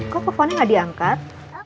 kok teleponnya gak diangkat